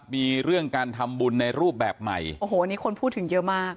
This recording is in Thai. มีเรื่องการทำบุญในรูปแบบใหม่โอ้โหอันนี้คนพูดถึงเยอะมาก